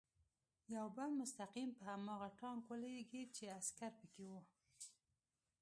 یو بم مستقیم په هماغه ټانک ولګېد چې عسکر پکې و